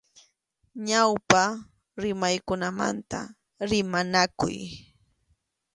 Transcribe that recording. Ñawpa rimaykunamanta rimanakuy.